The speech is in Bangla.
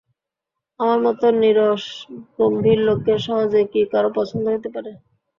আমার মতো নীরস গম্ভীর লোককে সহজে কি কারো পছন্দ হইতে পারে।